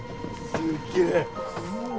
すっげえ